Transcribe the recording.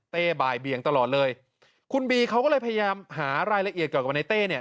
บ่ายเบียงตลอดเลยคุณบีเขาก็เลยพยายามหารายละเอียดเกี่ยวกับในเต้เนี่ย